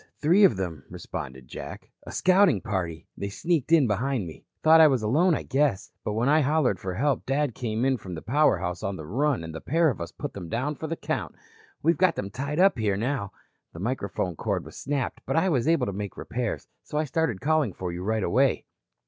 Three of them," responded Jack. "A scouting party. They sneaked in behind me. Thought I was alone, I guess, but when I hollered for help Dad came in from the power house on the run and the pair of us put them down for the count. We've got them tied up here now. The microphone cord was snapped but I was able to make repairs. So I started calling for you right away."